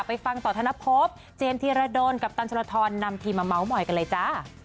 ไปฟังต่อทานพบเจมส์ธิระโดนกับตันชนธรนำทีมมาเมาเมาย์กันเลยจ้ะ